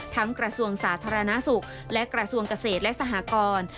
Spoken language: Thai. กระทรวงสาธารณสุขและกระทรวงเกษตรและสหกร